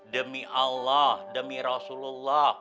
demi allah demi rasulullah